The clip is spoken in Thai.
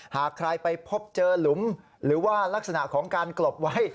หากใครไปพบเจอหลุมหรือว่าลักษณะของการกลบไว้